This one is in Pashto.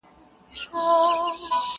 لا د مرګ په خوب ویده دی!!.